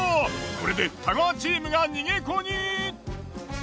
これで太川チームが逃げ子に。